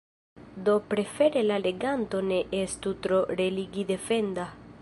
Do prefere la leganto ne estu tro religidefenda.